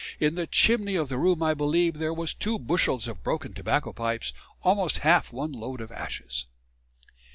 In the chimney of the room I believe there was two bushels of broken tobacco pipes, almost half one load of ashes."